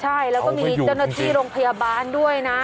ใช่แล้วก็มีเจ้าหน้าที่โรงพยาบาลด้วยนะ